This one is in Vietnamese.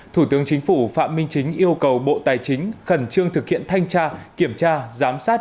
thủ tướng chính phủ phạm minh chính yêu cầu bộ tài chính khẩn trương thực hiện thanh tra kiểm tra giám sát